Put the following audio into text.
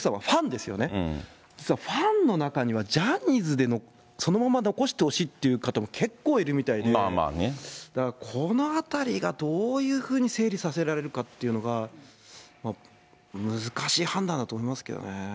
ですからファンの中にはジャニーズで、そのまま残してほしいっていう方も結構いるみたいで、だからこの辺りがどういうふうに整理させられるかっていうのが、難しい判断だと思いますけどね。